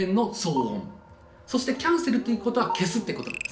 そして「キャンセル」っていうことは消すってことなんですね。